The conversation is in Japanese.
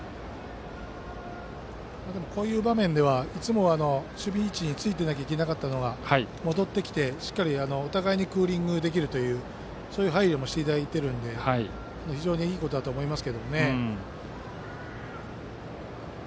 こういう場面ではいつも守備位置についていなきゃいけなかったのが戻ってきて、しっかりお互いにクーリングできるというそういう配慮もしていただいているので非常にいいことだと思います。